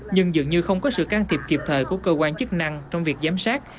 nhưng dường như không có sự can thiệp kịp thời của cơ quan chức năng trong việc giám sát